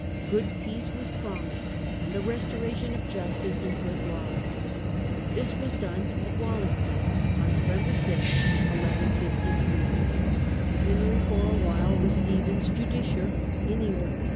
Good peace was promised, and the restoration of justice and good laws. The Peace of This was done at Wallingford on November Waiimgford. 6, 1 1 53. Henry for a while was Stephen's justiciar in England.